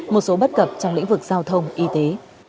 một số bất cập trong lĩnh vực giao thông y tế